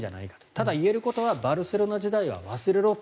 ただ、言えることはバルセロナ時代は忘れろと。